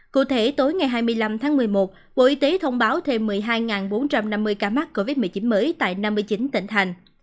cụ thể tối ngày hai mươi năm tháng một mươi một bộ y tế thông báo thêm một mươi hai bốn trăm năm mươi ca mắc covid một mươi chín mới tại năm mươi chín tỉnh thành